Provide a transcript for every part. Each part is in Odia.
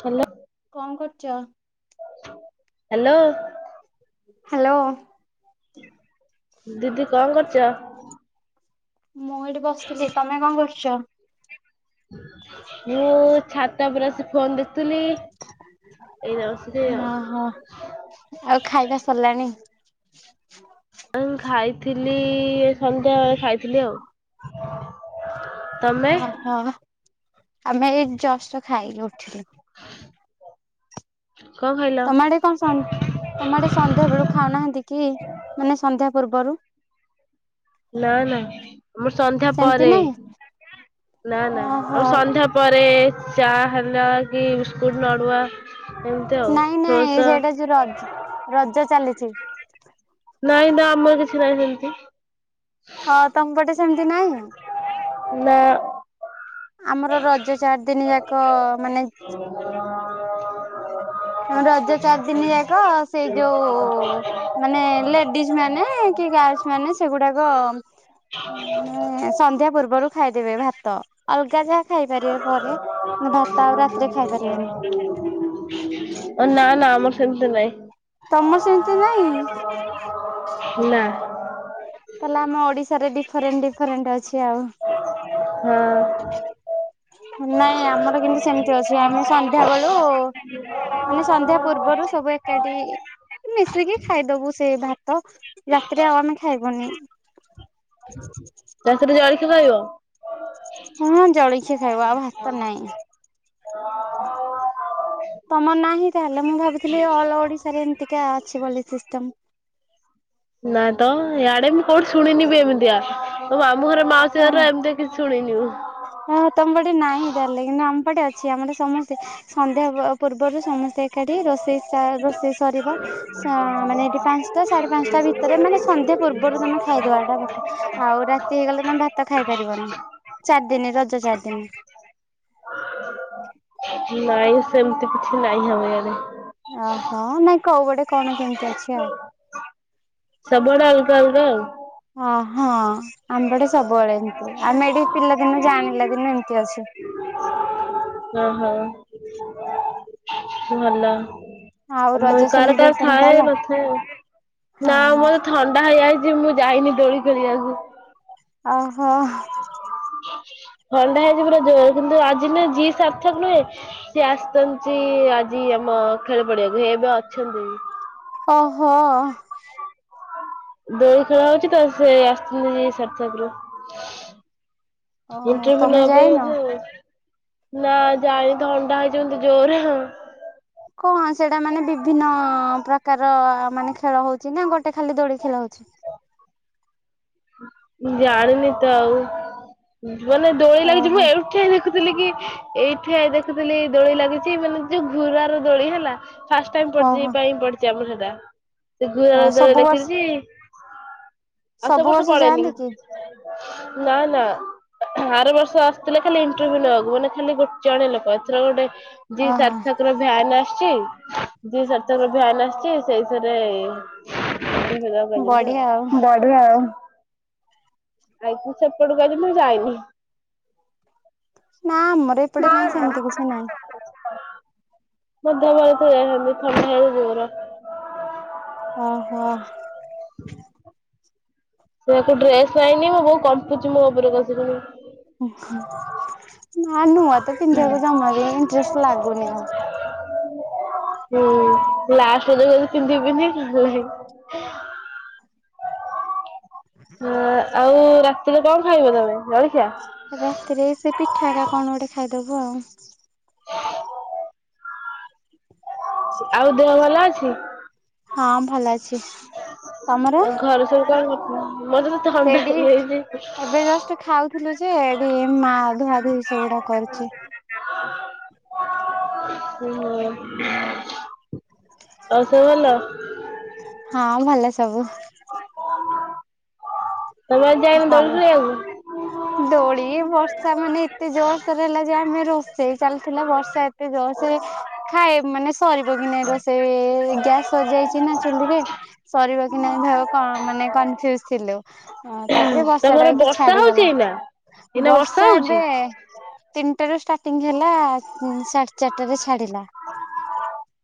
ଥା ଲତ କଣ କରୁଚ? ହ୍ୟାଲୋ। ହ୍ୟାଲୋ। ଦିଦି କଣ କରୁଚ? ମୁଁ ଏଇଠି ବସିଥିଲି ତମେ କଣ କରୁଚ? ମୁଁ ଛାତ ଉପରେ ଆସି ଫୋନ୍ ଦେଖୁଥିଲି। ଏଇନା ବସିଲି ଆଉ। ଅ ହ ଆଉ ଖାଇବା ସରିଲାଣି? ଆଉ ମୁଁ ଖାଇଥିଲି ସନ୍ଧ୍ୟାବେଳେ ଖାଇଥିଲି ଆଉ। ତମେ ଓହୋ ଆମେ ଏଇ ଯଷ୍ଟ ଖାଇକି ଉଠିଲୁ। କଣ ଖାଇଲ? ତମ୍ ସନ ତମ ଆଡେ ସନ୍ଧ୍ୟା ବେଳୁ ଖାଉନାହାନ୍ତି କି ମାନେ ସନ୍ଧ୍ୟା ପୂର୍ବରୁ? ନାଁ ନାଁ ଆମର ସନ୍ଧ୍ୟା ସେମିତି ପରେ ନାଇଁ? ନାଁ ନାଁ ଓହୋ ଆମ ସନ୍ଧ୍ୟା ପରେ ଚା ହେଲା କି ବିସ୍କୁଟ୍ ନଡ଼ୁଆ ନାଇଁ ନାଇଁ ସେଇଟା ଯୋଉ ରଜ ରଜ ଚାଲିଚି। ନାଇଁ ନା ଆମର କିଛି ନାହିଁ ସେମିତି। ହଁ ତମ ପଟେ ସେମିତି ନାଇଁ? ନାଁ। ଆମର ରଜ ଚାରି ଦିନ ଯାକ ମାନେ [unintelligible] ଉଁ ରଜ ଚାରି ଦିନି ଯାକ ସେଇ ଯୋଉ ମାନେ ଲେଡିଜି ମାନେ କି ଗାର୍ଲସ ମାନେ ସେଗୁଡାକ ମାନେ ସନ୍ଧ୍ୟା ପୂର୍ବରୁ ଖାଇଦେବେ ଭାତ ଅଲଗା ଯାହା ଖାଇପାରିବେ ପରେ ଭାତ ଆଉ ରାତିରେ ଖାଇ ପାରିବେନି। ନା ନା ଆମର ସେମିତି ନାଇଁ। ତମର ସେମିତି ନାଇଁ। ନା। ତାହେଲେ ଆମ ଓଡିଶାରେ ଡିଫରେଣ୍ଟ ଡିଫରେଣ୍ଟ ଅଛି ଆଉ। ହଁ। ନାଇଁ ଆମର କିନ୍ତୁ ସେମିତି ଅଛି ଆମେ ସନ୍ଧ୍ୟା ବେଳୁ ମାନେ ସନ୍ଧ୍ୟା ପୂର୍ବରୁ ସବୁ ଏକାଠି ମିଶିକି ଖାଇଦବୁ ସେଇ ଭା ତ ରାତିରେ ଆଉ ଆମେ ଖାଇବୁନି। ରାତିରେ ଜଳଖିଆ ଖାଇବ? ହଁଁ ଜଳଖିଆ ଖାଇବ ଆଉ ଭାତ ନାଇଁ। [inaudible] ତମର ନାହିଁ ତାହେଲେ ମୁଁ ଭାବୁଥିଲି ଅଲ ଓଡିଶାରେ ଏମିତିକା ଅଛି ବୋଲି ସିଷ୍ଟମ। ନା ତ ଇଆଡେ ମୁଁ କୋଉଠି ଶୁଣିନି ବିି ଏମିତିଆ ମୋ ମାମୁଁ ଘର ମାଉସ ହଁ ଘରେ ଏମିତି କିଛି ଶୁଣିନି ମୁଁ। ହଁ ତମ ପଟେ ନାହିଁ ତାହେଲେ କିନ୍ତୁ ଆମପଟେ ଅଛି ଆମରେ ସମସ୍ତ ସନ୍ଧ୍ୟା ପୂର୍ବରୁ ସମସ୍ତେ ଏକାଠି ରୋଷେଇ ସା ରୋଷେଇ ସରିବ। ସା ମାନେ ଏଇଠି ପାଞ୍ଚଟା ସାଢେ ପାଞ୍ଚଟା ଭିତରେ ମାନେ ସନ୍ଧ୍ୟା ପୂର୍ବରୁ ତମେ ଖାଇଦବାଟା ପକା। ଆଉ ରାତି ହେଇଗଲେ ତମେ ଭାତ ଖାଇ ପାରିବନି ଚାରି ଦିନ ରଜ ଚାରି ଦିନ। ନାଇଁ ସେମିତି କିଛି ନାଇଁ ଆମ୍ ୟାଡେ। ଓହୋ ନାଇଁ କଉ ପଟେ କଣ କେମିତି ଅଛି ଆଉ। ସବୁଆଡେ ଅଲଗା ଅଲଗା ଆଉ। ଅ ହଁ ଆମ ପଟେ ସବୁବେଳେ ଏମତି। ଆମେ ଏଟି ପିଲାଦିନୁ ଜାଣିଲା ଦିନୁ ଏମିତି ଅଛି। ଅହଁ। ଭଲ। ଆଉ ଆମ୍ ରଜ କାର କାର ସେଲିବ୍ରେସନ ଥାଏ କଲ ନଥାଏ ହଁ ନା ମୋର ଥଣ୍ଡା ହେଇଯାଇ ମଆଜି ଯାଇନି ଦୋଳି ଖେଳିବାକୁ। ଅହୋ। ଥଣ୍ଡା ହେଇଛି ପୁରା ଜୋର କିନ୍ତୁ ଆଜି ନା ଯିଏ ସାର୍ଥକ ନୁହେଁ। ସିଏ ଆସିଛନ୍ତି ଆଜି ଆମ ଖେଳ ପଡିଆକୁ ହେ ଏବେ ଅଛନ୍ତି। ଅହୋ। ଦୋଳି ଖେଳ ହଉଛି ତ ସେ ଆସିଛନ୍ତି ସାର୍ଥକ ରୁ। ଓହୋ ଇଣ୍ଟରଭି୍ୟୁ ତମେ ନବ ପାଇ ଯାଇନ ବୋଧେ। ନା ଜାଇ ତ ଥଣ୍ଡା ହେଇଛି ମୋତେ ଜୋରେ। କଣ ସେଇଟା ମାନେ ବିଭିନ୍ନ ପ୍ରକାର ମାନେ ଖେଳ ହଉଛି ନା ଗୋଟେ ଖାଲି ଦୋଳି ଖେଳ ହଉଛି? ଜାଣିନି ତ ଆଉ ମାନେ ଦୋଳି ଲାଗୁଛି ମୁଁ ଓହୋ ଏଇଠି ଠିଆ ହେଇ ଦେଖୁି ଥିଲି କି ଏଇ ଠିଆ ଦେଖୁଥିଲି ଏଇ ଦୋଳି ଲାଗିଛି ମାନେ ଯୋଉ ଘୁରାର ଦୋଳି ହେଲା। ଫାଷ୍ଟ ଟାଇମ ପଡିଛି ଓହୋ ପାଇଁ ପଡିିଛି ଆମର ସେଟା ସେ ହଉ ଘୁରାର ସବୁ ଦୋଳି ବର୍ଷ କରିଛି। ସବୁ ବର୍ଷ ପଡେନି ନା ନା। ଆର ବର୍ଷ ଆସିଥିଲେ ଖାଲି ଇଣ୍ଟରଭ୍ୟୁ ନବାକୁ ମାନେ ଖାଲି ଗୋଟେ ଜଣେ ଲୋକ। ଏଥର ଗୋଟେ ଯି ଓହୋ ସାର୍ଥକ ର ଭ୍ୟାାନ ଆସିଛି ଯି ସାର୍ଥକ ର ଭ୍ୟାନ ଆସିଛି ସେଇଥିରେ ବଢିଆ [unintelligible] ଆଉ ବଢିଆ ଆଉ। ଆଇକୁ ସେପଟକୁ ଆଜି ମୁଁ ଯାଇନି। ନା ଆମର ଏପଟେ କାଇ ସେମିତି କିଛି ନାଇ। [unintelligible] ଯାଇନ୍ତି ଥଣ୍ଡା ଯୋର। ଓହୋ। ସେୟାକୁ ଡ୍ରେସ ପାଇନି ମୁଁ ବହୁତ କମ୍ପୁଛି ମୋ ଉପରେ କସିକିନି। ଓ ନା ନୂଆ ତ ପିନ୍ଧିବାକୁ ଜମା ବି ଇଣ୍ଟରେଷ୍ଟ ଲାଗୁନି ଆଉ। ହୁଁ ଲାଷ୍ଟ ଦିନ ପିନ୍ଧିବିନି [unintelligible] ହ [unintelligible] ହ ଆଉ ରାତିରେ କଣ ଖାଇବ ତମେ ଜଳଖିଆ? ରାତିରେ ସେ ପିଠା ଟା କଣ ଗୋଟେ ଖାଇଦବୁ ଆଉ। ହ [unintelligible] ଆଉ ଦେହ ଭଲ ଅଛି? ହଁ ଭଲ ଅଛି ତମର? ଆଉ ଘରେ ସବୁ କଣ [unintelligible] ଥଣ୍ଡା ହେଇଯାଇଛି। ଟ ଖାଉଥିଲୁ ସେଠି ମା ଧୁଆ ଧୁଇ ସେଗୁଡା ସେ କରୁଛି। [unintelligible] ହୁଁ ଆଉ ସବୁ ଭଲ? ହଁ ଭଲ ସବୁ। ତମେ ଆଜି ଯାଇନ ଭଲ ଦୋଳି ଖେଳିବାକୁ? ଦୋଳି ବର୍ଷା ମାନେ ଏତେ ଜୋରସୋର ହେଲା ଯେ ଆମେ ରୋଷେଇ ଚାଲିଥିଲା ବର୍ଷା ଏତେ ଜୋରସୋରେ ଖାଇ ମାନେ ସରିବ କି ନାଇ ରୋଷେଇ ଗ୍ୟାସ୍ ସରି ଯାଇଛି ନା ଚୁଲିରେ ସରିବ କି ନାଇଁ ଭ କ ମାନେ କନଫ୍ୟୁଜ ଥିଲୁ। ହଁ, ତାପରେ ବର୍ଷାଟା ତମର ହେଇକି ବର୍ଷା ହଉଛି ଛାଡିଗଲା। ଏଇନା? ଏଇନା ବର୍ଷା ହଉଛି? ଏବେ ତିନିଟାର ଷ୍ଟାର୍ଟିଂ ହେଲା ସାଢେ ଚାରିଟାରେ ଛାଡିଲା।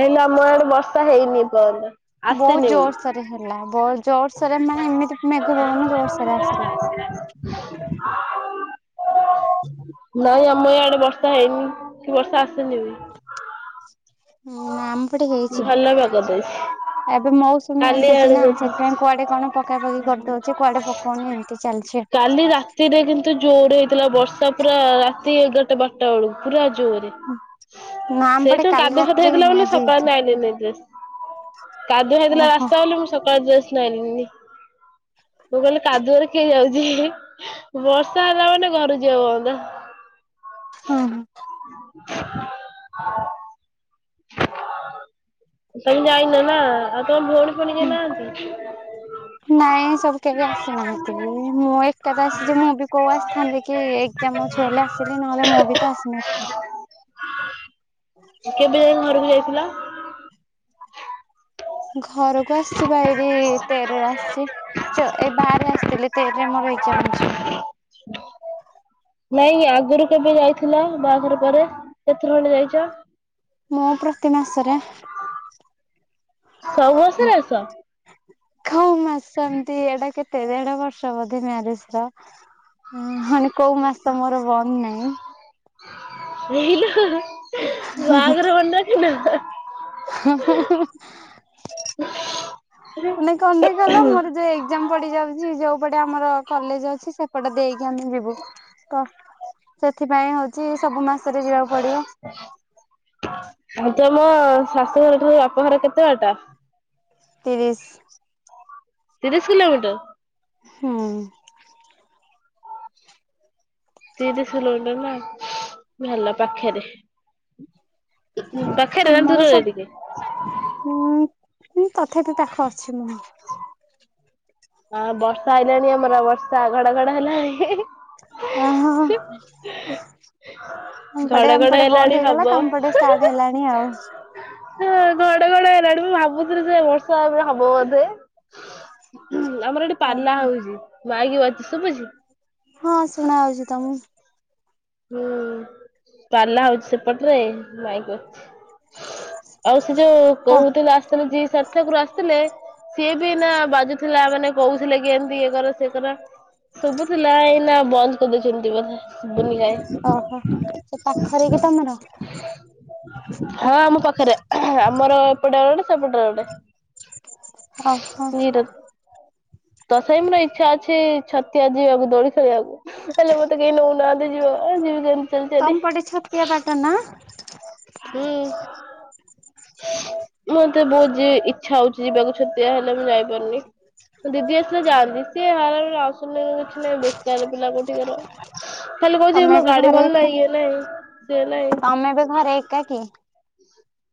ହେଲେ ଆମ ଆଡେ ବର୍ଷା ହେଇନି ଏପର୍ଯ୍ୟନ୍ତ। ବହୁତ ଆସିନି ବି। ଜୋରସୋରେ ହେଲା ଜୋରସୋରେ ମାନେ ଏମିତି ମେଘ ପବନ ଜୋରସୋରରେ ଆସିଲା। [unintelligible] ହୁଁ [unintelligible] ନାଇଁ ଆମ ଇଆଡେ ବର୍ଷା ହେଇନି କି ବର୍ଷା ଆସେନି ବି। ନା ଆମ ପଟେ ହେଇଛି ଭଲ ପାଗ ଦେଇଛି। ଏବେ ମୌସୁମୀ କାଲି ଆସିଛି ନା ଆଡକୁ ଅଛି। ସେଥିପାଇଁ କୁଆଡେ କଣ ପକା ପକି କରିଦଉଛି କୁଆଡେ ପକଉନି ଏମିତି ଚାଲିଛି। କାଲି ରା ତିରେ କିନ୍ତୁ ଜୋରେ ହେଇଥିଲା ବର୍ଷା ପୁରା ରାତି ଏଗାରଟା ବାରଟା ବେଳକୁ ପୁରା ଜୋରେ। ନା ଆମ ପଟେ ସେଇଥିରୁ କାଲି କାଦୁଅ ଫାଦୁଅ ରାତିରେ ହେଇଥିଲା ହେଇନି ବୋଲି ଆଜି ସକ ହେଇଛି। ନାଇଲିନି ଡ୍ରେସ୍। କାଦୁଅ ହେଇଥିଲା ଓହୋ ରାସ୍ତା ବୋଲି ମୁ ସକାଳେ ନାଇଲିନି। ମୁଁ କହିଲି କାଦୁଆରେ କିଏ ଯାଉଛି। ବର୍ଷା ହେଲା ମାନେ ଘରୁ ଯିବା ବନ୍ଦ। ହୁଁ ହୁଁ। [unintelligible] ତମେ ଯାଇନ ନା? ଆଉ ତମ ଭୋଉଣୀ ଫୋଉଣି କେହି ନାହାନ୍ତି? ନାଇଁ, ସବୁ କେହି ଆସିନାହାନ୍ତି ବି ମୁଁ ଏକାତ ଆସିଛି ମୁଁ ବି କୋଉ ଆସିଥାନ୍ତି କି କାମ ଅଛି ବୋଲି ଆସିଲି ନହେଲେଁ ମୁଁ ବି ତ ଆସିନଥାନ୍ତି। କେବେ ଘରକୁ ଯାଇଥିଲ? ହ [unintelligible] ଘରକୁ ଆସିଛି ବା ଏଇଠି ତେରରେ ଆସିଛି। ଚ ଏଇ ବାରରେ ଆସିଥିଲି ତେରରେ ମୋର ଏଗ୍ଜାମ ଅଛି। ଓ [unintelligible] ନାଇଁ ଆଗରୁ କେବେ ଯାଇଥିଲ ବାହାଘର ପରେ କେତେ ଥର ଖଣ୍ଡେ ଯାଇଛ? ମୁଁ ପ୍ରତି ମାସରେ। ସବୁ ମାସରେ ଆସ? ହଉ ମାସ ଏମିତି ଏଟା କେତେ ଦେଢ ବର୍ଷ ବୋଧେ ମ୍ୟାରେଜର। ହ ମାନେ କୋଉ ମାସ ମୋର ବନ୍ଦ ନାହିଁ। ହେଇଲୋ। ବାହାଘର ଭଣ୍ଡା କି ନା? ହଁଁ? ନାଇଁ କନ୍ଦେଇ, କହିଲ ମୋର ଯୋଉ ଏକ୍ଜାମ ପଡିଯାଉଛି ଯୋଉ ପଟେ ଆମର କଲେଜ ଅଛି ସେ ପଟେ ଦେଇକି ଆମେ ଯିବୁ ତ ସେଥିପାଇଁ ହଉଛି ସବୁ ମାସରେ ଯିବାକୁ ପଡିବ। ଆଉ ତମ ଶାଶୁ ଘରଠାରୁ ବାପଘର କେତେ ବାଟ? ତିରିଶ। ତିରିଶ କିଲୋମିଟର? ହଁ। ତିରିଶ କିଲୋମିଟର ନା ଭଲ ପାଖରେ। ପାଖରେ ନା ଆମର ଦୂରରେ ଟିକେ? ସବୁ ଉଁ ତଥାପି ପାଖ ଅଛି ମୁଁ। ହଁ ବର୍ଷା ଆଇଲାଣି ଆମର ବର୍ଷା ଘଡଘଡ ହେଲାଣି। ହଁ ହଁ ହଁ। ଏମପଟେ ଘଡଘଡ ଏମପଟେ ହେଲାଣି ବନ୍ଦ ହେଇଗଲା, ତମପଟେ ଷ୍ଟାର୍ଟ ହେଲାଣି ଆଉ। ହ ଘଡ ଘଡ ହେଲାଣି ମୁଁ ଭାବୁଥିଲି ଯେ ବର୍ଷା ଏବେ ହବ ବୋଧେ। ଆମର ଏଠି ପଲା ଓହୋ। ହଉଛି ମାଇାକି ବାଜୁଚି ଶୁଭୁଛି? ହଁ ଶୁଣାହଉଛି ତମକୁ? ହୁଁ ପାଲା ହଉଛି ସେପଟରେ ମାଇକି ବାଯୁଚି। ଆଉ ସେ ଯୋଉ କଣ କହୁଥିଲୁ ଆସିଥିଲେ ଯିଏ କରୁ ଆସିଥିଲେ, ସିଏ ବି ନା ବାଜୁଥିଲା ମାନେ କହୁଥିଲେ, କି ଏମତି ଏ କର ସେଏ କର। ଶୁବୁ ଥିଲା ଏଇନା ବନ୍ଦ କରିଦେଇଛନ୍ତି ବଧେ ଶୁୁନି ଓହୋ ସେ ପାଖରେ କି ତମର? ହ। ହଁ ଆମ ପାଖରେ ଆମର ଏପଟେ ଗୋଟେ ସେପଟରେ ଗୋଟେ। ଓହୋ। ନିଟ ତଥାପି ମୋର ଇଚ୍ଛା ଅଛି ଛତିଆ ଯିବାକୁ ଦୋଳି ଖେଳିବାକୁ ହେଲେ ମତେ କେହି ନଉନାହାନ୍ତି ଯିବ ଏ [unintelligible] ତମ ପଟେ ଛତିଆ ବାଟ ନା? ହୁଁ। ମତେ ବହୁତ ଇଛା ହଉଛି ଯିବାକୁ ଛତିଆ ହେଲେ ମୁଁ ଯାଇପାରୁନି। ଦିଦି ଆସିଲେ ଯାଆନ୍ତି ସିଏ ବାଳ ଆସୁ କିଛି ନାହିଁ ବେକାର ପିଲା କୋଠିକାର। ଖାଲି କହୁଛି ତମେ ମୋ ଏବେ ଗାଡି ଘରେ ଭଲ ଏକା ନାହିଁ, ଇଏ ନାଇଁ, ସିଏ ନାଇଁ। ତମେ ଏବେ ଘରେ ଏକା କି?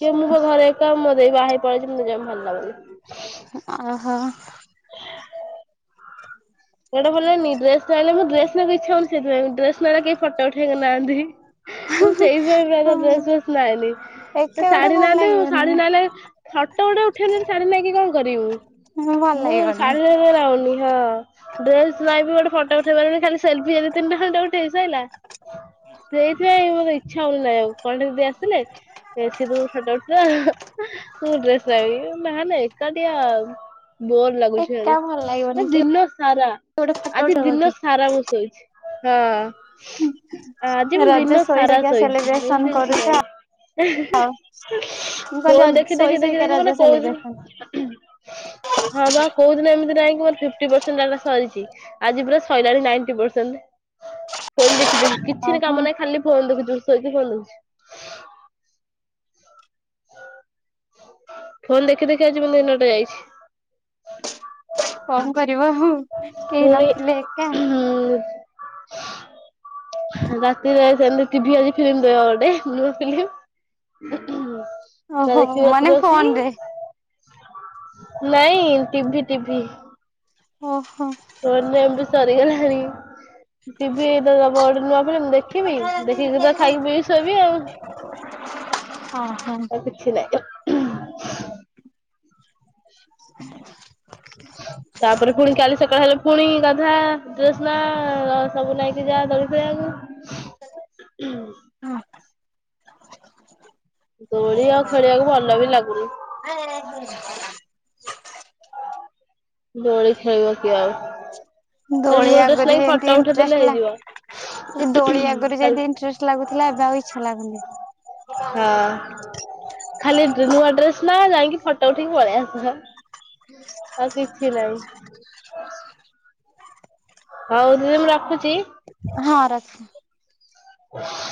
କି ମୁଁ ପା ଘରେ ଏକା, ମୋ ଦେଇ ବାହା ହେଇ ପଲେଇଚି ମୁଁ ଯମା ଭଲ ଲାଗୁନି? ଅ ହ। ସେଟା ଭଲନି ଡ୍ରେସ ନହେଲେ ମୁ ଡ୍ରେସ ନବା ଇଚ୍ଛା ହଉନି ସେଥି ପାଇଁ ଡ୍ରେସ ନେଲେ କେହି ଫଟୋ ଉଠେଇବାକୁ ନାହାନ୍ତି। ମୁଁ ସେଇଥିପାଇଁ ପା ହଁ ଡ୍ରେସ ଫ୍ରେସ୍ ନାଏନି। ଏକା ଗୋଟେ ଶାଢୀ ଭଲ ନାହାନ୍ତିୁ ଲାଗିବନି ଶାଢୀ ନଁ ଫୋଟ ଗୋଟେ ଉଠେଇ ଶାଢୀ ନ ନେଇକି କଣ କରିବି ମୁଁ। ମୁଁ ଭଲ ଲାଗିବ। ଶାଢୀ ରେ ଯୋଉରା ଓନୀ ହଁ। ଡ୍ରେସ ନାଇବି ଗୋଟେ ଫଟ ଉଠେଇ ପାରିବୁନି ଖାଲି ସେଲିଫି ଦି ତିନିଟା ଖଣ୍ଡେ ଉଠେଇଚି ସଇଲା। ସେଇଥିପାଇଁ ମୋତେ ଇଚ୍ଛା ହଉନି ନାଇବା କୁ କଣ୍ଢେଇ ଦେଇ ଆସିଲେ ସେ [unintelligible] ଫଟ ଉଠେଇ ଦବ। ମୁଁ ଡ୍ରେସ ନାଇବୀ, ନହେଲେ ଏକା ଟିଆ ବୋର ଲାଗୁଛି ଭାରି, ଏକା ଭଲ ମାନେ ଲାଗିବନି କିଏ ଦିନ ସାରା ଗୋଟେ ଫଟୋ ଆଜି ଉଠେଇବ ଦିନ କି? ସାରା ମୁଁ ଶୋଇଛି। ହଁ ଆଜି ମୁଁ ରଜ ଦିନ ଶୋଇ ସାରା ଶୋଇକା ଶୋଇଛି, ସେଲିବ୍ରେସନ ଯେମିତି କିଛି କରୁଛ ନାହିଁ। ଆଉ [unintelligible] ମୁଁ କହିଲି ର ଫୋନ ଦେଖି ଶୋଇ ଦେଖି ଦେଖି ଶୋଇକା ଦେଖି ମାନେ ରଜ ସେଲିବ୍ରେସନ କହୁଛି ହଁ ବା କୋଉ ଦିନ ଏମିତି ନାହିଁ କି ମୋର ଫିପ୍ଟି ପ ସରିଛି ଆଜି ପୁରା ସଇଲାଣି ନାଇନଟି ପରସେଣ୍ଟ। ଫୋନ ଦେଖି ଦେଖି, କିଛି ଓହୋ କାମ ନାହିଁ ଖାଲି ଫୋନ ଦେଖୁଛି ମୋର ସୋଇକି ଫୋନ୍ ଦେଖୁଛି। ଫୋନ ଦେଖି ଦେଖି ଆଜି ମୁ ଦିନଟା ଯାଇଛି। କଣ କରିବ ଆଉ କେହି ପୁଣି ନଥିଲେ ଏକା। ରାତିରେ ସେମତି ଟିଭି ଆଜି ଫିଲ୍ମ ଦବ ଗୋଟେ ନୂଆ ଫିଲ୍ମ। ସେଟା ଓହୋ ଦେଖିବି ମାନେ ରାତିରେ ବସିକି। ଫୋନରେ ନାଇଁ ଟିଭି ଟିଭି। ଓହୋ। ଫୋନରୁ ଏମ୍ବି ସରିଗଲାଣି ଟିଭିରେ ଦବ ଗୋଟେ ନୂଆ ଫିଲ୍ମ ମୁ ଦେଖି ଦେଖିବି ଦେଖିକି ତ ଖାଇକି ପିଇି ଶୋଇବି ଆଉ ଓହୋ ଆଉ କିଛି ନାହିଁ ଆଉ। [inaudible] [inaudible] ତାପରେ ପୁଣି କାଲି ସକାଳେ ହେଲେ ପୁଣି ଗାଧା ଡ୍ରେସ ନା ସବୁ ନାଇକି ଯା ଦୋଳି ଖେଳିବାକୁ। ହୁଁ। ହଁ। ଦୋଳି ଆଉ ଖେଳିବାକୁ ଭଲ ବି ଲାଗୁନି। [unintelligible] ଦୋଳି ଖେଳିବ କିଏ ଆଉ। ଖାଲି ଦୋଳି ନୂଆ ଡ୍ରେସ ଆଗରୁ ନାଇିକି ଯେମିତି ଫଟୋ ଉଠେଇ ଦେଲେ ଇଣ୍ଟରେଷ୍ଟ ଲା ହେଇଯିବ। ଆଗେ ଲାଗୁଥିଲା ଏବେ ଆଉ ଇଚ୍ଛା ଲାଗୁନି। ହଁ ଖାଲି ନୂଆ ଡ୍ରେସ ନା ଯାଇକି ଫ ଟ ଉଠିକି ପଳେଇ ଆସ ଆଉ କିଛି ନାଇଁ। ହଉ ଦିଦି ମୁଁ ରଖୁଛି। ହଁ ରଖ। [inaudible]